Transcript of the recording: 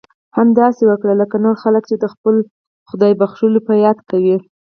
همداسې وکړه لکه نور خلک یې چې د خپلو خدای بښلو په یاد کوي.